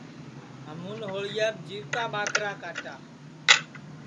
ہمون ہوݪیاپ جیوتا کاٹا